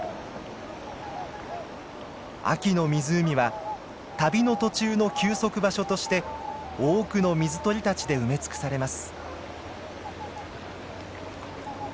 秋の湖は旅の途中の休息場所として多くの水鳥たちで埋め尽くされます。